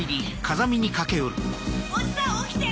おじさん起きて！